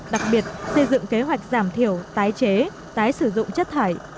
đặc biệt xây dựng kế hoạch giảm thiểu tái chế tái sử dụng chất thải